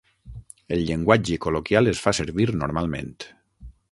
El llenguatge col·loquial es fa servir normalment.